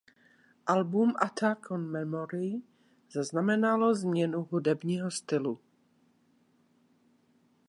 Album "Attack on Memory" zaznamenalo změnu hudebního stylu.